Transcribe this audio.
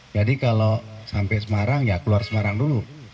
jadi kalau sampai semarang ya keluar semarang dulu